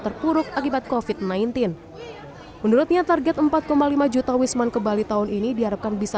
terpuruk akibat kofit sembilan belas menurutnya target empat lima juta wisman ke bali tahun ini diharapkan bisa